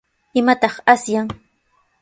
¿Imataq asyan?